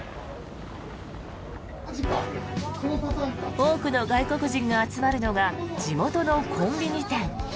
多くの外国人が集まるのが地元のコンビニ店。